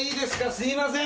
すみません。